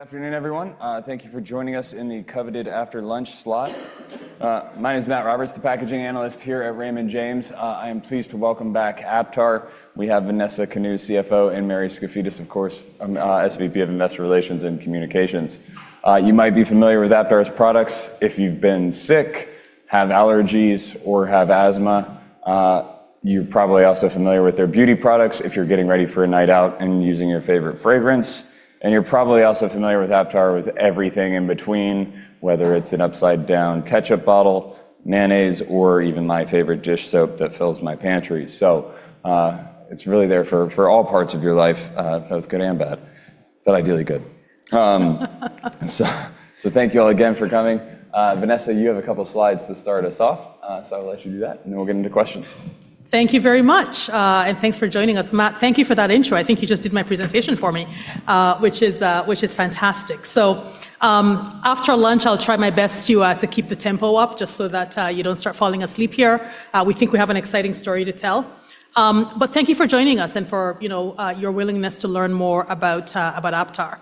Afternoon, everyone. Thank you for joining us in the coveted after-lunch slot. My name is Matt Roberts, the packaging analyst here at Raymond James. I am pleased to welcome back Aptar. We have Vanessa Kanu, CFO, and Mary Skafidas, of course, SVP of Investor Relations and Communications. You might be familiar with Aptar's products if you've been sick, have allergies, or have asthma. You're probably also familiar with their beauty products if you're getting ready for a night out and using your favorite fragrance. You're probably also familiar with Aptar with everything in between, whether it's an upside-down ketchup bottle, mayonnaise, or even my favorite dish soap that fills my pantry. It's really there for all parts of your life, both good and bad, but ideally good. Thank you all again for coming. Vanessa, you have a couple slides to start us off. I'll let you do that. We'll get into questions. Thank you very much, and thanks for joining us. Matt, thank you for that intro. I think you just did my presentation for me, which is fantastic. After lunch, I'll try my best to keep the tempo up just so that you don't start falling asleep here. We think we have an exciting story to tell. Thank you for joining us and for, you know, your willingness to learn more about Aptar.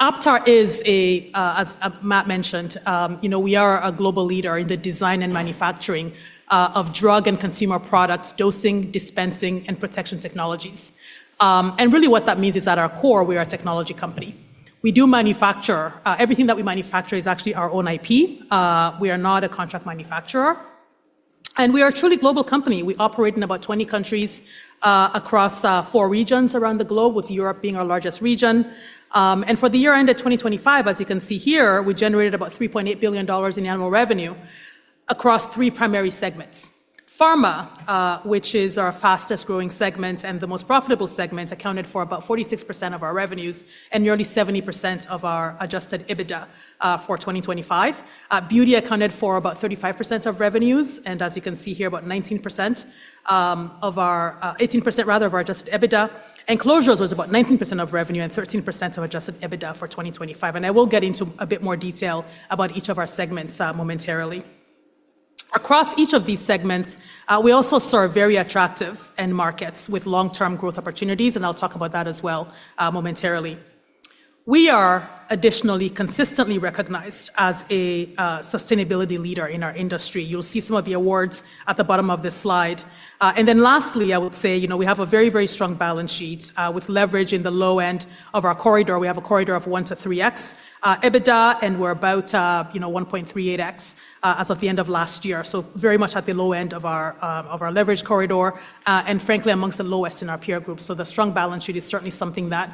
Aptar is a, as Matt mentioned, you know, we are a global leader in the design and manufacturing of drug and consumer products, dosing, dispensing, and protection technologies. Really what that means is at our core, we are a technology company. We do manufacture. Everything that we manufacture is actually our own IP. We are not a contract manufacturer. We are a truly global company. We operate in about 20 countries, across four regions around the globe, with Europe being our largest region. For the year ended 2025, as you can see here, we generated about $3.8 billion in annual revenue across three primary segments. Pharma, which is our fastest-growing segment and the most profitable segment, accounted for about 46% of our revenues and nearly 70% of our Adjusted EBITDA for 2025. Beauty accounted for about 35% of revenues and, as you can see here, about 19%, 18% rather of our Adjusted EBITDA. Closures was about 19% of revenue and 13% of Adjusted EBITDA for 2025. I will get into a bit more detail about each of our segments, momentarily. Across each of these segments, we also serve very attractive end markets with long-term growth opportunities, and I'll talk about that as well, momentarily. We are additionally consistently recognized as a sustainability leader in our industry. You'll see some of the awards at the bottom of this slide. Lastly, I would say, you know, we have a very, very strong balance sheet, with leverage in the low end of our corridor. We have a corridor of 1-3x EBITDA, and we're about, you know, 1.38x as of the end of last year. Very much at the low end of our leverage corridor, and frankly amongst the lowest in our peer group. The strong balance sheet is certainly something that,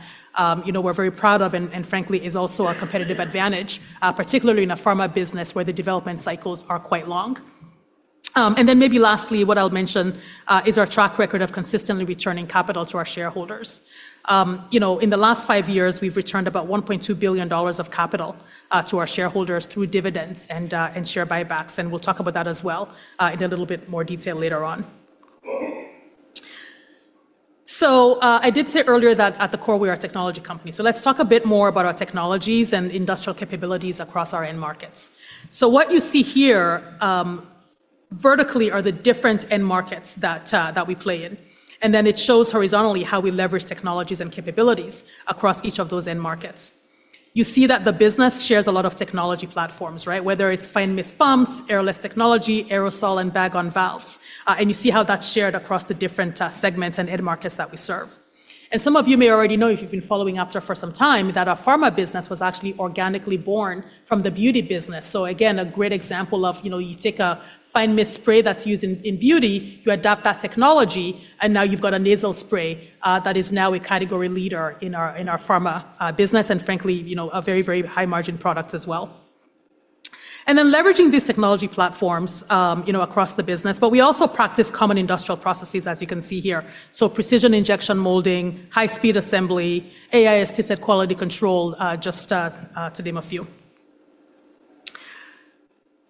you know, we're very proud of and frankly is also a competitive advantage, particularly in a pharma business where the development cycles are quite long. Maybe lastly, what I'll mention, is our track record of consistently returning capital to our shareholders. You know, in the last five years, we've returned about $1.2 billion of capital to our shareholders through dividends and share buybacks, and we'll talk about that as well, in a little bit more detail later on. I did say earlier that at the core we are a technology company. Let's talk a bit more about our technologies and industrial capabilities across our end markets. What you see here, vertically are the different end markets that we play in, and then it shows horizontally how we leverage technologies and capabilities across each of those end markets. You see that the business shares a lot of technology platforms, right? Whether it's fine mist pumps, airless technology, aerosol, and Bag-on-Valve valves, and you see how that's shared across the different segments and end markets that we serve. Some of you may already know if you've been following Aptar for some time that our pharma business was actually organically born from the beauty business. Again, a great example of, you know, you take a fine mist spray that's used in beauty, you adapt that technology, and now you've got a nasal spray that is now a category leader in our pharma business and frankly, you know, a very high margin product as well. Leveraging these technology platforms, you know, across the business. We also practice common industrial processes, as you can see here. Precision injection molding, high-speed assembly, AI-assisted quality control, just to name a few.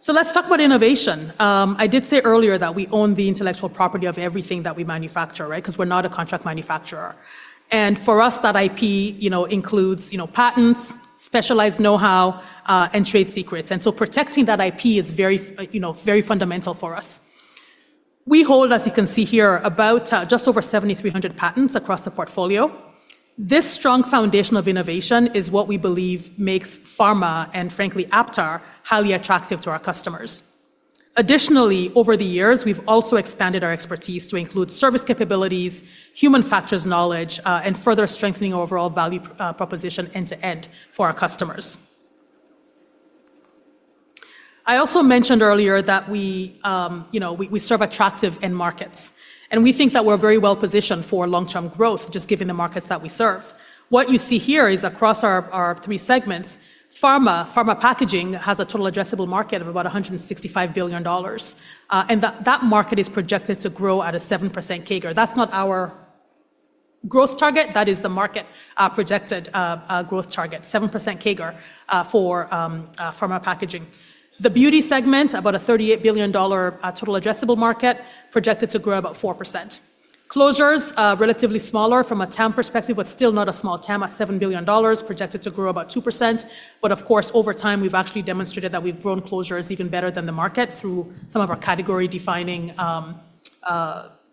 Let's talk about innovation. I did say earlier that we own the intellectual property of everything that we manufacture, right? 'Cause we're not a contract manufacturer. For us, that IP, you know, includes, you know, patents, specialized know-how and trade secrets. Protecting that IP is very you know, very fundamental for us. We hold, as you can see here, about, just over 7,300 patents across the portfolio. This strong foundation of innovation is what we believe makes pharma, and frankly Aptar, highly attractive to our customers. Additionally, over the years, we've also expanded our expertise to include service capabilities, human factors knowledge, and further strengthening overall value proposition end to end for our customers. I also mentioned earlier that we, you know, we serve attractive end markets, and we think that we're very well positioned for long-term growth just given the markets that we serve. What you see here is across our three segments, pharma packaging has a Total Addressable Market of about $165 billion, and that market is projected to grow at a 7% CAGR. That's not our growth target. That is the market projected growth target, 7% CAGR, for pharma packaging. The beauty segment, about a $38 billion Total Addressable Market projected to grow about 4%. Closures, relatively smaller from a TAM perspective, but still not a small TAM at $7 billion, projected to grow about 2%. Of course, over time, we've actually demonstrated that we've grown closures even better than the market through some of our category-defining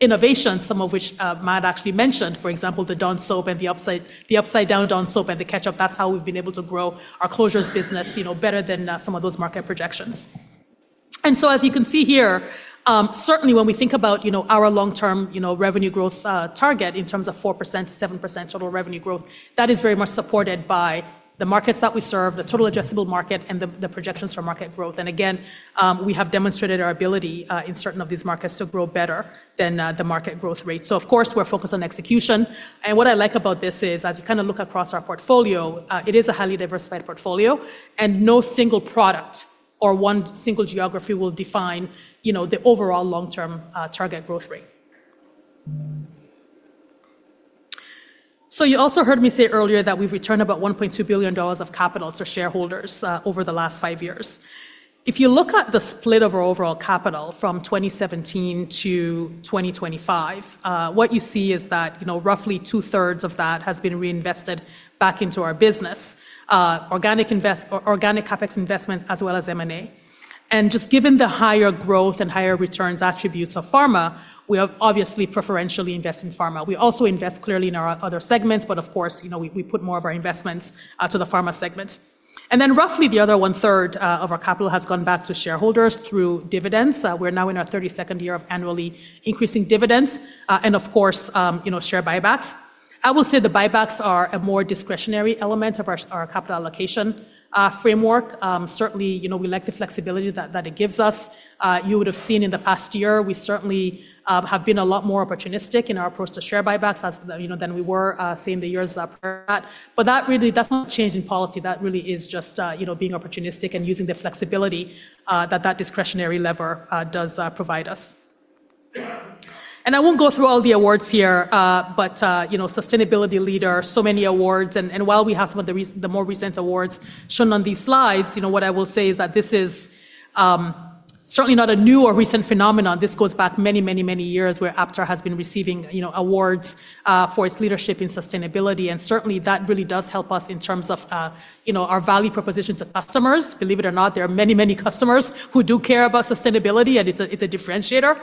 innovation, some of which Matt Roberts actually mentioned, for example, the Dawn and the upside-down Dawn and the ketchup. That's how we've been able to grow our closures business, you know, better than some of those market projections. As you can see here, certainly when we think about, you know, our long-term, you know, revenue growth target in terms of 4%-7% total revenue growth, that is very much supported by the markets that we serve, the Total Addressable Market, and the projections for market growth. Again, we have demonstrated our ability in certain of these markets to grow better than the market growth rate. Of course, we're focused on execution, and what I like about this is, as you kinda look across our portfolio, it is a highly diversified portfolio, and no single product or one single geography will define, you know, the overall long-term target growth rate. You also heard me say earlier that we've returned about $1.2 billion of capital to shareholders over the last five years. If you look at the split of our overall capital from 2017 to 2025, what you see is that, you know, roughly 2/3 of that has been reinvested back into our business, organic CapEx investments, as well as M&A. Just given the higher growth and higher returns attributes of pharma, we have obviously preferentially invest in pharma. We also invest clearly in our other segments, but of course, you know, we put more of our investments to the pharma segment. Roughly the other one-third of our capital has gone back to shareholders through dividends. We're now in our 32nd year of annually increasing dividends, and of course, you know, share buybacks. I will say the buybacks are a more discretionary element of our capital allocation framework. Certainly, you know, we like the flexibility that it gives us. You would have seen in the past year, we certainly have been a lot more opportunistic in our approach to share buybacks as, you know, than we were, say, in the years prior to that. That really, that's not a change in policy. That really is just, you know, being opportunistic and using the flexibility, that discretionary lever, does provide us. I won't go through all the awards here, but, you know, sustainability leader, so many awards. While we have some of the more recent awards shown on these slides, you know, what I will say is that this is certainly not a new or recent phenomenon. This goes back many, many, many years where Aptar has been receiving, you know, awards, for its leadership in sustainability. Certainly, that really does help us in terms of, you know, our value proposition to customers. Believe it or not, there are many, many customers who do care about sustainability, and it's a, it's a differentiator,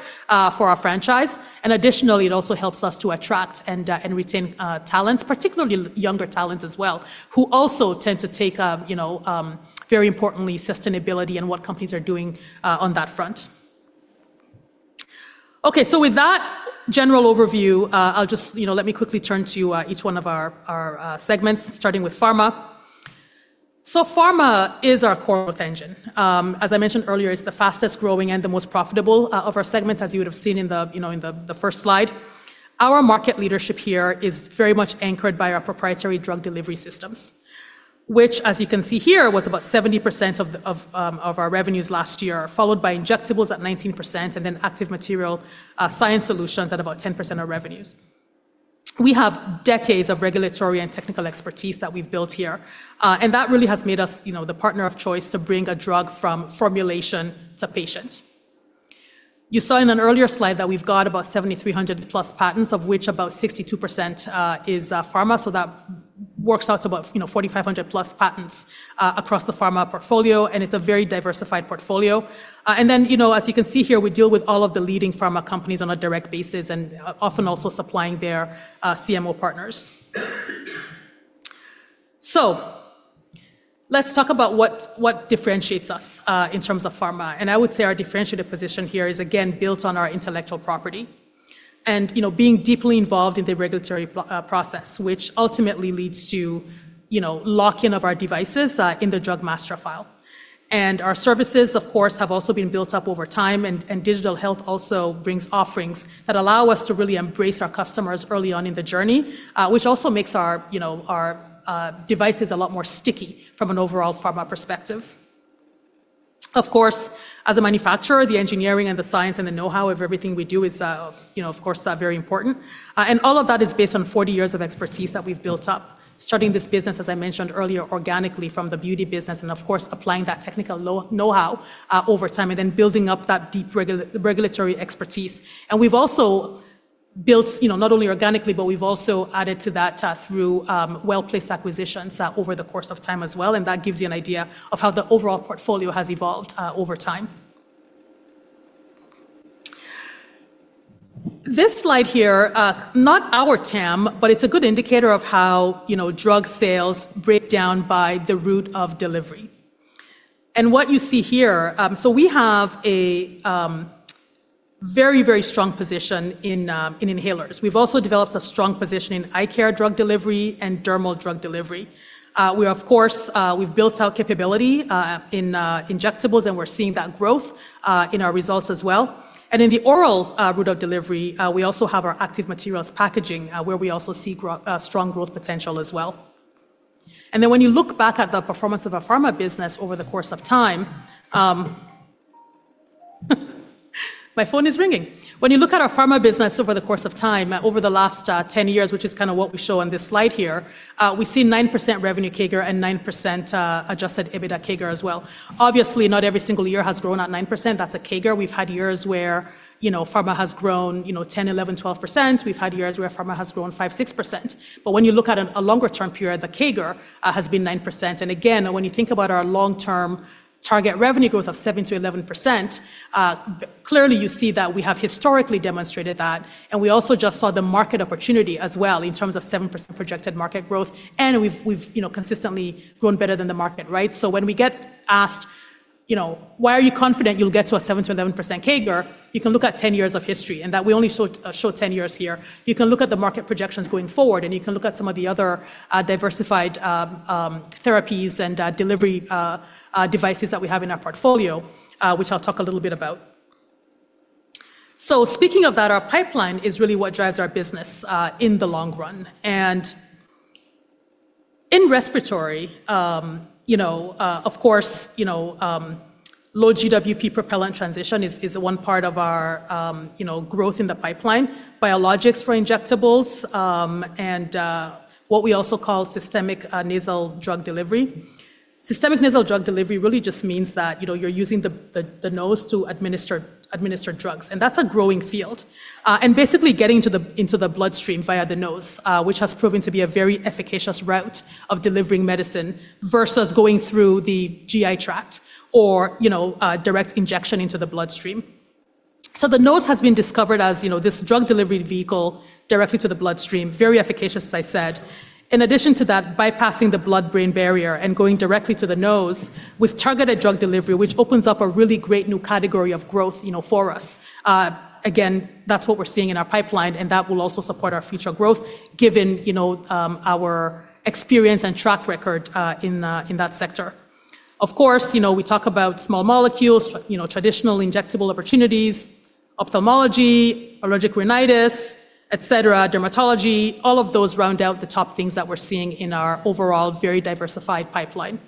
for our franchise. Additionally, it also helps us to attract and and retain talent, particularly younger talent as well, who also tend to take, you know, very importantly sustainability and what companies are doing on that front. With that general overview, you know, let me quickly turn to each one of our segments, starting with Pharma. Pharma is our core growth engine. As I mentioned earlier, it's the fastest-growing and the most profitable of our segments, as you would have seen in the, you know, in the first slide. Our market leadership here is very much anchored by our proprietary drug delivery systems, which, as you can see here, was about 70% of our revenues last year, followed by injectables at 19% and then active material science solutions at about 10% of revenues. We have decades of regulatory and technical expertise that we've built here, and that really has made us, you know, the partner of choice to bring a drug from formulation to patient. You saw in an earlier slide that we've got about 7,300+ patents, of which about 62% is pharma. That works out to about, you know, 4,500+ patents across the pharma portfolio, and it's a very diversified portfolio. You know, as you can see here, we deal with all of the leading pharma companies on a direct basis and often also supplying their CMO partners. Let's talk about what differentiates us in terms of pharma. I would say our differentiated position here is again built on our intellectual property and, you know, being deeply involved in the regulatory process, which ultimately leads to, you know, lock-in of our devices in the Drug Master File. Our services, of course, have also been built up over time, and digital health also brings offerings that allow us to really embrace our customers early on in the journey, which also makes our, you know, our devices a lot more sticky from an overall pharma perspective. Of course, as a manufacturer, the engineering and the science and the know-how of everything we do is, you know, of course, very important. All of that is based on 40 years of expertise that we've built up, starting this business, as I mentioned earlier, organically from the beauty business and of course applying that technical know-how over time and then building up that deep regulatory expertise. We've also built, you know, not only organically, but we've also added to that through well-placed acquisitions over the course of time as well, and that gives you an idea of how the overall portfolio has evolved over time. This slide here, not our TAM, but it's a good indicator of how, you know, drug sales break down by the route of delivery. What you see here, we have a very strong position in inhalers. We've also developed a strong position in eye care drug delivery and dermal drug delivery. We of course, we've built our capability in injectables, and we're seeing that growth in our results as well. In the oral route of delivery, we also have our active materials packaging, where we also see strong growth potential as well. When you look back at the performance of our pharma business over the course of time, my phone is ringing. When you look at our pharma business over the course of time, over the last 10 years, which is kinda what we show on this slide here, we see 9% revenue CAGR and 9% Adjusted EBITDA CAGR as well. Obviously, not every single year has grown at 9%. That's a CAGR. We've had years where, you know, pharma has grown, you know, 10%, 11%, 12%. We've had years where pharma has grown 5%, 6%. When you look at a longer-term period, the CAGR has been 9%. Again, when you think about our long-term target revenue growth of 7%-11%, clearly you see that we have historically demonstrated that, and we also just saw the market opportunity as well in terms of 7% projected market growth. We've, you know, consistently grown better than the market, right? When we get asked, you know, why are you confident you'll get to a 7% to 11% CAGR? You can look at 10 years of history, and that we only show 10 years here. You can look at the market projections going forward, and you can look at some of the other diversified therapies and delivery devices that we have in our portfolio, which I'll talk a little bit about. Speaking of that, our pipeline is really what drives our business in the long run. In respiratory, you know, of course, you know, low GWP propellant transition is one part of our, you know, growth in the pipeline. Biologics for injectables, and what we also call systemic nasal drug delivery. Systemic nasal drug delivery really just means that, you know, you're using the nose to administer drugs, and that's a growing field. Basically getting into the bloodstream via the nose, which has proven to be a very efficacious route of delivering medicine versus going through the GI tract or, you know, direct injection into the bloodstream. The nose has been discovered as, you know, this drug delivery vehicle directly to the bloodstream, very efficacious, as I said. In addition to that, bypassing the blood-brain barrier and going directly to the nose with targeted drug delivery, which opens up a really great new category of growth, you know, for us. Again, that's what we're seeing in our pipeline, that will also support our future growth given, you know, our experience and track record in that sector. Of course, you know, we talk about small molecules, you know, traditional injectable opportunities, ophthalmology, allergic rhinitis, et cetera, dermatology. All of those round out the top things that we're seeing in our overall very diversified pipeline.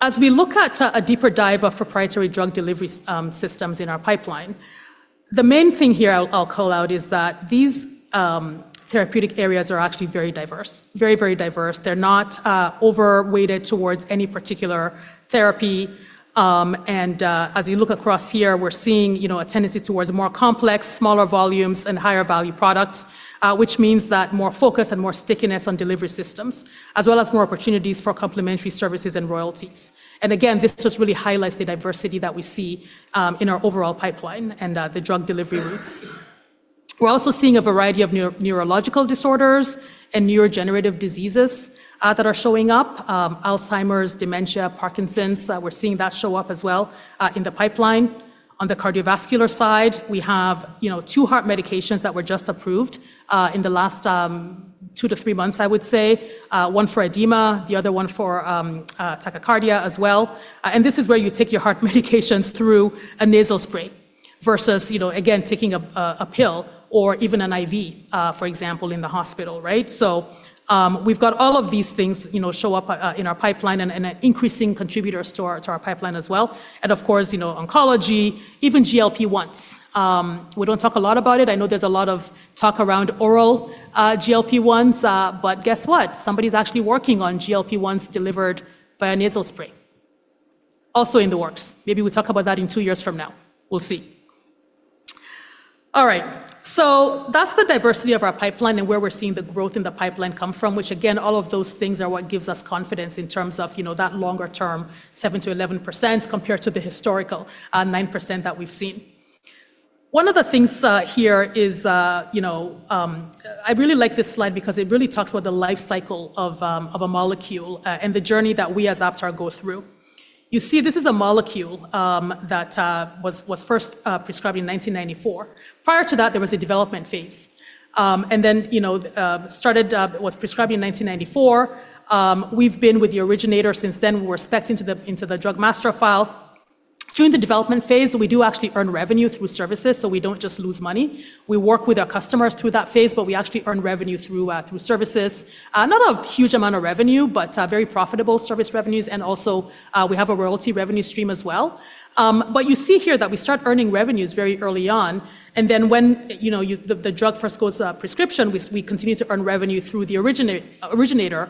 As we look at a deeper dive of proprietary drug delivery systems in our pipeline, the main thing here I'll call out is that these therapeutic areas are actually very diverse. Very diverse. They're not overweighted towards any particular therapy. As you look across here, we're seeing, you know, a tendency towards more complex, smaller volumes and higher value products, which means that more focus and more stickiness on delivery systems, as well as more opportunities for complementary services and royalties. Again, this just really highlights the diversity that we see in our overall pipeline and the drug delivery routes. We're also seeing a variety of neurological disorders and neurodegenerative diseases that are showing up. Alzheimer's, dementia, Parkinson's, we're seeing that show up as well in the pipeline. On the cardiovascular side, we have, you know, two heart medications that were just approved in the last two to three months, I would say. One for edema, the other one for tachycardia as well. This is where you take your heart medications through a nasal spray versus, you know, again, taking a pill or even an IV, for example, in the hospital, right? We've got all of these things, you know, show up in our pipeline and increasing contributors to our pipeline as well. Of course, you know, oncology, even GLP-1s. We don't talk a lot about it. I know there's a lot of talk around oral GLP-1s, guess what? Somebody's actually working on GLP-1s delivered by a nasal spray. Also in the works. Maybe we'll talk about that in two years from now. We'll see. All right. That's the diversity of our pipeline and where we're seeing the growth in the pipeline come from, which again, all of those things are what gives us confidence in terms of that longer term, 7%-11% compared to the historical 9% that we've seen. One of the things here is I really like this slide because it really talks about the life cycle of a molecule and the journey that we as Aptar go through. You see, this is a molecule that was first prescribed in 1994. Prior to that, there was a development phase. And then started was prescribed in 1994. We've been with the originator since then. We're specced into the Drug Master File. During the development phase, we do actually earn revenue through services, so we don't just lose money. We work with our customers through that phase, but we actually earn revenue through through services. Not a huge amount of revenue, but very profitable service revenues. We have a royalty revenue stream as well. You see here that we start earning revenues very early on, and then when, you know, the drug first goes prescription, we continue to earn revenue through the originator.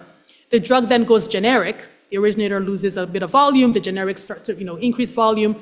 The drug goes generic. The originator loses a bit of volume. The generic starts to, you know, increase volume.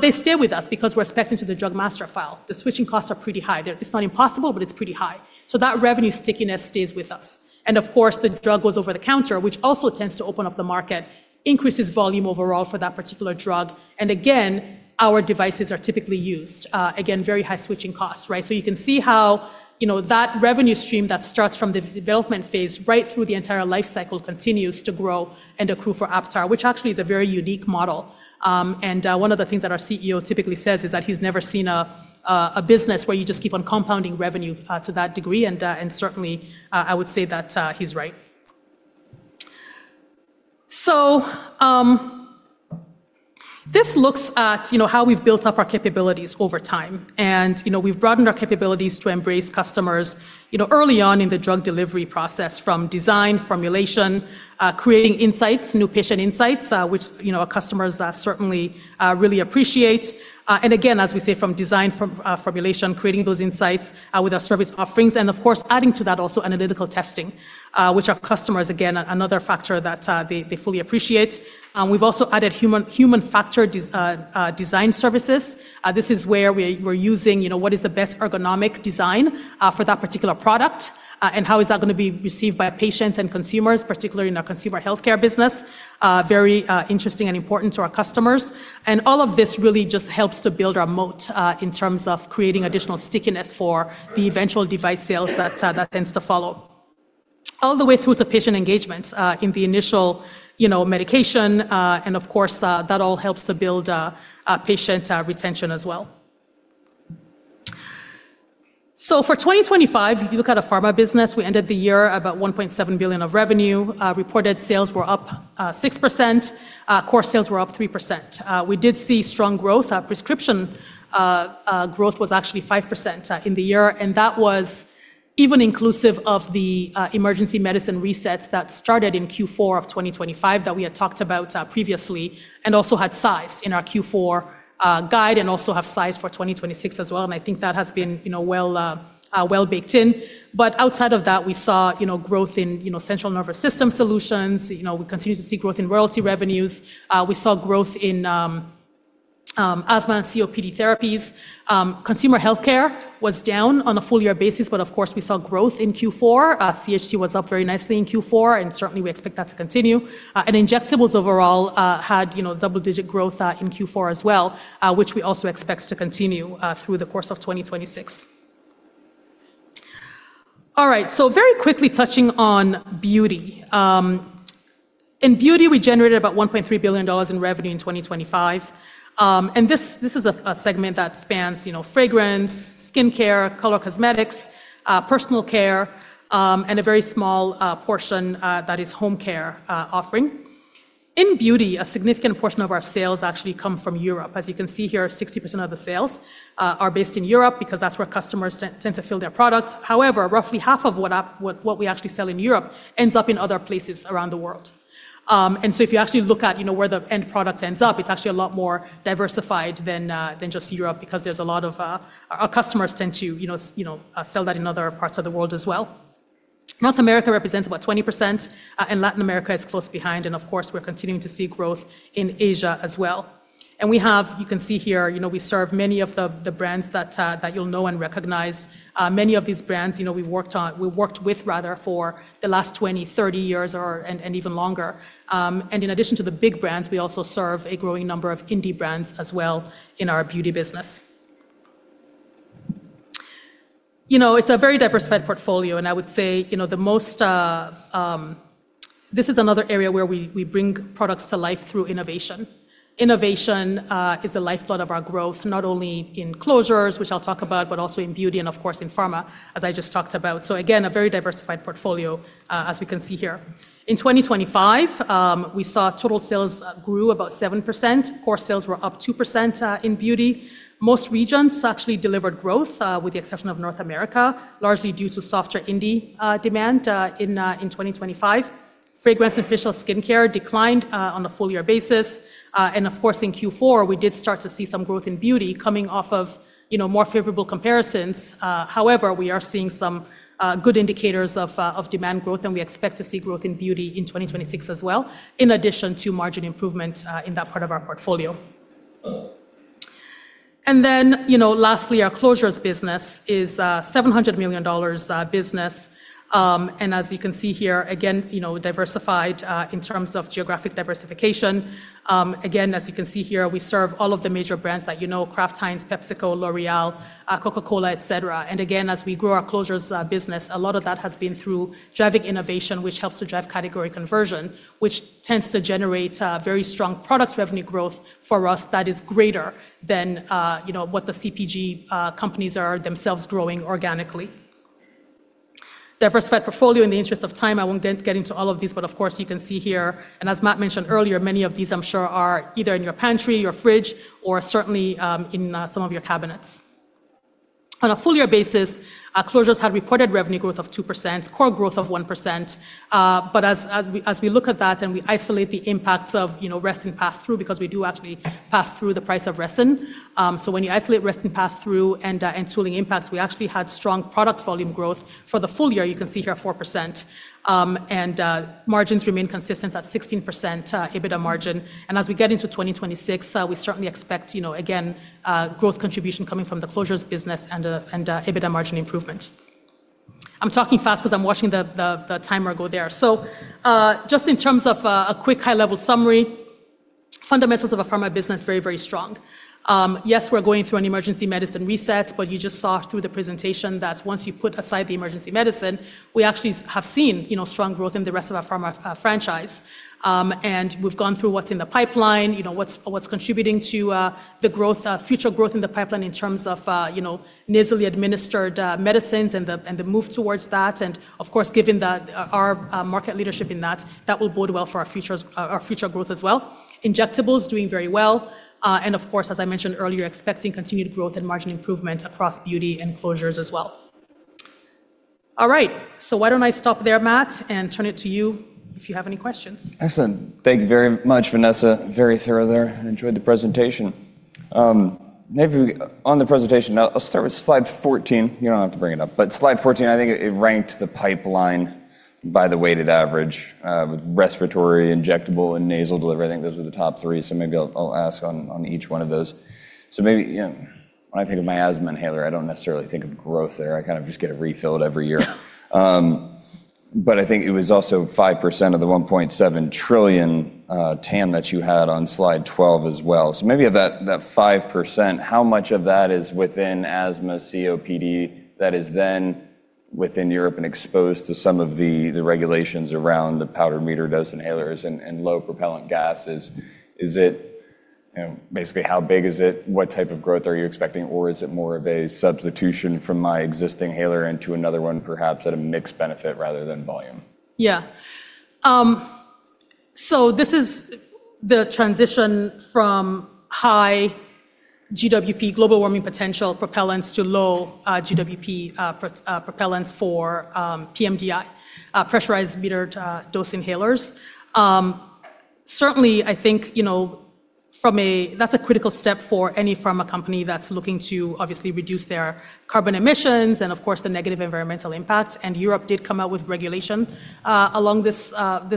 They stay with us because we're specced into the Drug Master File. The switching costs are pretty high. It's not impossible, but it's pretty high. That revenue stickiness stays with us. Of course, the drug goes over the counter, which also tends to open up the market, increases volume overall for that particular drug. Again, our devices are typically used. Again, very high switching costs, right? You can see how, you know, that revenue stream that starts from the development phase right through the entire life cycle continues to grow and accrue for Aptar, which actually is a very unique model. One of the things that our CEO typically says is that he's never seen a business where you just keep on compounding revenue to that degree. Certainly, I would say that he's right. This looks at, you know, how we've built up our capabilities over time. You know, we've broadened our capabilities to embrace customers, you know, early on in the drug delivery process from design, formulation, creating insights, new patient insights, which, you know, our customers certainly really appreciate. Again, as we say, from design, from formulation, creating those insights with our service offerings, and of course, adding to that also analytical testing, which our customers, again, another factor that they fully appreciate. We've also added human factors design services. This is where we're using, you know, what is the best ergonomic design for that particular product, and how is that gonna be received by patients and consumers, particularly in our consumer healthcare business. Very interesting and important to our customers. All of this really just helps to build our moat in terms of creating additional stickiness for the eventual device sales that tends to follow. All the way through to patient engagement in the initial, you know, medication, and of course, that all helps to build a patient retention as well. For 2025, if you look at our pharma business, we ended the year about $1.7 billion of revenue. Reported sales were up 6%. Core sales were up 3%. We did see strong growth. Our prescription growth was actually 5% in the year. That was even inclusive of the emergency medicine resets that started in Q4 of 2025 that we had talked about previously and also had sized in our Q4 guide and also have sized for 2026 as well. I think that has been, you know, well baked in. Outside of that, we saw, you know, growth in, you know, central nervous system solutions. You know, we continue to see growth in royalty revenues. We saw growth in asthma and COPD therapies. Consumer healthcare was down on a full year basis. Of course, we saw growth in Q4. CHC was up very nicely in Q4. Certainly we expect that to continue. Injectables overall, had, you know, double-digit growth in Q4 as well, which we also expect to continue through the course of 2026. All right. Very quickly touching on beauty. In beauty, we generated about $1.3 billion in revenue in 2025. This is a segment that spans, you know, fragrance, skincare, color cosmetics, personal care, and a very small portion that is home care offering. In beauty, a significant portion of our sales actually come from Europe. As you can see here, 60% of the sales are based in Europe because that's where customers tend to fill their products. However, roughly half of what we actually sell in Europe ends up in other places around the world. If you actually look at, you know, where the end product ends up, it's actually a lot more diversified than just Europe because there's a lot of. Our customers tend to, you know, sell that in other parts of the world as well. North America represents about 20%, and Latin America is close behind, and of course, we're continuing to see growth in Asia as well. We have, you know, you can see here, you know, we serve many of the brands that you'll know and recognize. Many of these brands, you know, we've worked with rather for the last 20, 30 years or and even longer. In addition to the big brands, we also serve a growing number of indie brands as well in our beauty business. You know, it's a very diversified portfolio, and I would say, you know, the most. This is another area where we bring products to life through innovation. Innovation is the lifeblood of our growth, not only in closures, which I'll talk about, but also in beauty and of course, in pharma, as I just talked about. Again, a very diversified portfolio, as we can see here. In 2025, we saw total sales grew about 7%. Core sales were up 2% in beauty. Most regions actually delivered growth with the exception of North America, largely due to softer indie demand in 2025. Fragrance and facial skincare declined on a full year basis. Of course, in Q4, we did start to see some growth in beauty coming off of, you know, more favorable comparisons. However, we are seeing some good indicators of demand growth, and we expect to see growth in beauty in 2026 as well, in addition to margin improvement in that part of our portfolio. Then, you know, lastly, our closures business is a $700 million business. As you can see here, again, you know, diversified in terms of geographic diversification. Again, as you can see here, we serve all of the major brands that you know, Kraft Heinz, PepsiCo, L'Oréal, Coca-Cola, et cetera. Again, as we grow our closures business, a lot of that has been through driving innovation, which helps to drive category conversion, which tends to generate very strong product revenue growth for us that is greater than, you know, what the CPG companies are themselves growing organically. Diversified portfolio, in the interest of time, I won't get into all of these, but of course, you can see here, and as Matt mentioned earlier, many of these I'm sure are either in your pantry, your fridge, or certainly, in some of your cabinets. On a full year basis, our closures had reported revenue growth of 2%, core growth of 1%. As we look at that and we isolate the impacts of, you know, resin pass-through, because we do actually pass through the price of resin. When you isolate resin pass-through and tooling impacts, we actually had strong product volume growth for the full year, you can see here, 4%. Margins remain consistent at 16% EBITDA margin. As we get into 2026, we certainly expect, you know, growth contribution coming from the closures business and EBITDA margin improvement. I'm talking fast 'cause I'm watching the, the timer go there. Just in terms of a quick high-level summary, fundamentals of our pharma business, very, very strong. Yes, we're going through an emergency medicine reset, but you just saw through the presentation that once you put aside the emergency medicine, we actually have seen, you know, strong growth in the rest of our pharma franchise. We've gone through what's in the pipeline, you know, what's contributing to the growth, future growth in the pipeline in terms of, you know, nasally administered medicines and the move towards that. Of course, given that our market leadership in that will bode well for our future growth as well. Injectables doing very well. Of course, as I mentioned earlier, expecting continued growth and margin improvement across beauty and closures as well. All right. Why don't I stop there, Matt, and turn it to you if you have any questions. Excellent. Thank you very much, Vanessa. Very thorough there. I enjoyed the presentation. Maybe, on the presentation, I'll start with slide 14. You don't have to bring it up. Slide 14, I think it ranked the pipeline by the weighted average, with respiratory, injectable, and nasal delivery. I think those were the top three. Maybe I'll ask on each one of those. Maybe, you know, when I think of my asthma inhaler, I don't necessarily think of growth there. I kind of just get it refilled every year. I think it was also 5% of the $1.7 trillion TAM that you had on slide 12 as well. Maybe of that 5%, how much of that is within asthma, COPD that is then within Europe and exposed to some of the regulations around the powdered meter-dose inhalers and low propellant gases. Is it, you know, basically how big is it? What type of growth are you expecting? Or is it more of a substitution from my existing inhaler into another one, perhaps at a mixed benefit rather than volume? Yeah. This is the transition from high GWP, Global Warming Potential, propellants to low GWP propellants for pMDI, pressurized metered dose inhalers. Certainly I think, you know, that's a critical step for any pharma company that's looking to obviously reduce their carbon emissions and of course the negative environmental impact. Europe did come out with regulation along this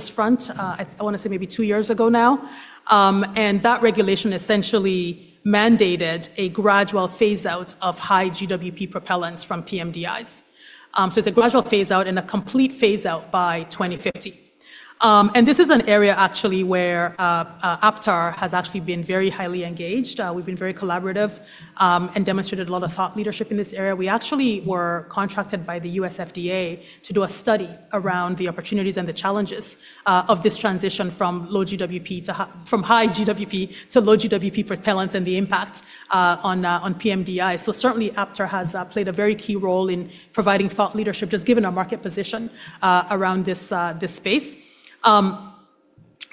front, I wanna say maybe two years ago now. That regulation essentially mandated a gradual phase out of high GWP propellants from pMDIs. It's a gradual phase out and a complete phase out by 2050. This is an area actually where Aptar has actually been very highly engaged. We've been very collaborative and demonstrated a lot of thought leadership in this area. We actually were contracted by the U.S. FDA to do a study around the opportunities and the challenges of this transition from high GWP to low GWP propellants and the impact on pMDI. Certainly Aptar has played a very key role in providing thought leadership, just given our market position around this space.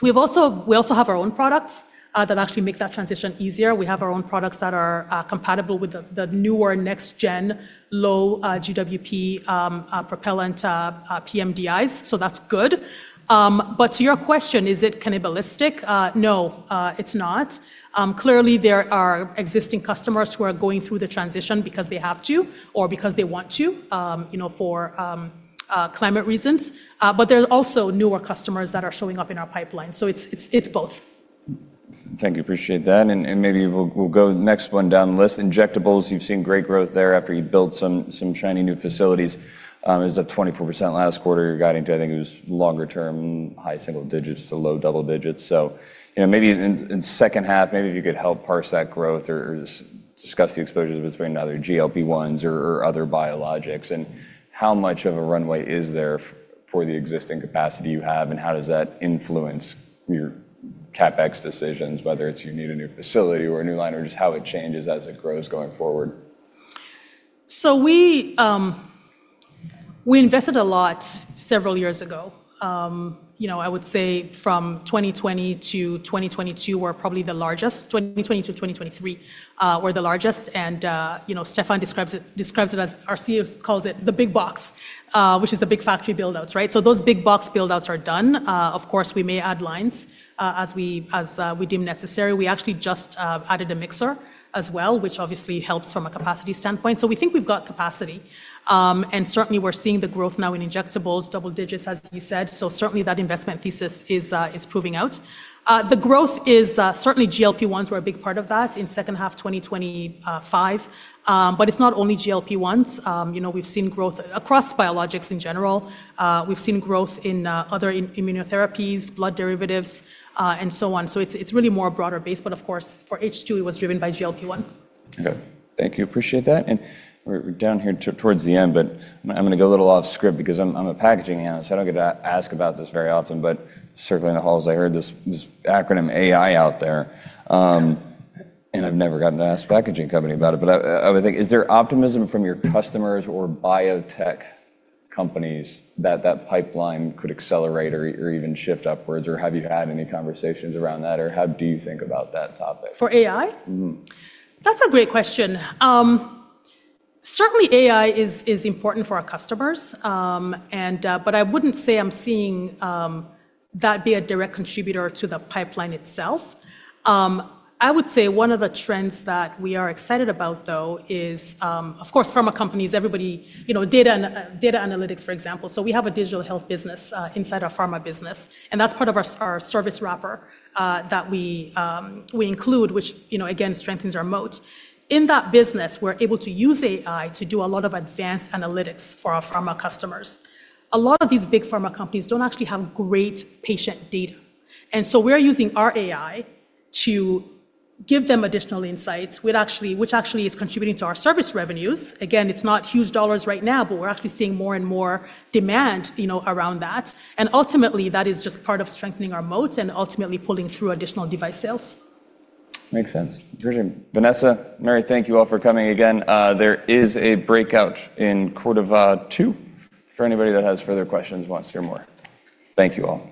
We also have our own products that actually make that transition easier. We have our own products that are compatible with the newer next-gen low GWP propellant pMDIs, so that's good. To your question, is it cannibalistic? No, it's not. Clearly there are existing customers who are going through the transition because they have to or because they want to, you know, for climate reasons. There are also newer customers that are showing up in our pipeline, so it's, it's both. Thank you. Appreciate that. Maybe we'll go next one down the list. Injectables, you've seen great growth there after you built some shiny new facilities. It was up 24% last quarter. You're guiding to, I think it was longer term high single digits to low double digits. You know, maybe in second half, maybe if you could help parse that growth or just discuss the exposures between other GLP-1s or other biologics and how much of a runway is there for the existing capacity you have and how does that influence your CapEx decisions, whether it's you need a new facility or a new line, or just how it changes as it grows going forward? We invested a lot several years ago. You know, I would say from 2020 to 2022 were probably the largest. 2020 to 2023, were the largest. You know, Stephan describes it as our CFO calls it the big box, which is the big factory build outs, right? Those big box build outs are done. Of course, we may add lines, as we deem necessary. We actually just added a mixer as well, which obviously helps from a capacity standpoint. We think we've got capacity. Certainly we're seeing the growth now in injectables, double digits as we said. Certainly that investment thesis is proving out. The growth is certainly GLP-1s were a big part of that in second half 2025. It's not only GLP-1s. You know, we've seen growth across biologics in general. We've seen growth in other immunotherapies, blood derivatives, and so on. It's, it's really more broader based, but of course for H2 it was driven by GLP-1. Okay. Thank you. Appreciate that. We're, we're down here towards the end, I'm gonna go a little off script because I'm a packaging analyst, so I don't get to ask about this very often. Circling the halls, I heard this acronym AI out there. I've never gotten to ask a packaging company about it. I would think, is there optimism from your customers or biotech companies that that pipeline could accelerate or even shift upwards, or have you had any conversations around that, or how do you think about that topic? For AI? Mm-hmm. That's a great question. Certainly AI is important for our customers. But I wouldn't say I'm seeing that be a direct contributor to the pipeline itself. I would say one of the trends that we are excited about though is, of course pharma companies, everybody, you know, data analytics for example. We have a digital health business inside our pharma business, and that's part of our service wrapper that we include, which, you know, again, strengthens our moat. In that business, we're able to use AI to do a lot of advanced analytics for our pharma customers. A lot of these big pharma companies don't actually have great patient data, we're using our AI to give them additional insights, which actually is contributing to our service revenues. It's not huge dollars right now, but we're actually seeing more and more demand, you know, around that. Ultimately that is just part of strengthening our moat and ultimately pulling through additional device sales. Makes sense. Appreciate it. Vanessa, Mary, thank you all for coming again. There is a breakout in Cordova two for anybody that has further questions and wants to hear more. Thank you all.